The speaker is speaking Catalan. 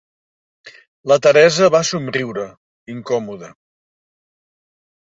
La Teresa va somriure, incòmoda.